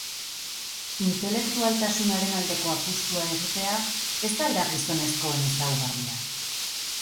Intelektualtasunaren aldeko apustua egitea ez al da gizonezkoen ezaugarria?